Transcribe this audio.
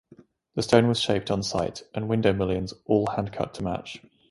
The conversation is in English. The stone was shaped on site and window mullions all hand cut to match.